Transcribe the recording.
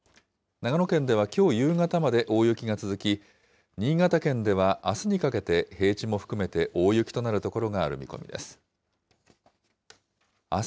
長野県ではきょう夕方まで大雪が続き、新潟県ではあすにかけて平地も含めて大雪となる所がある見込みです。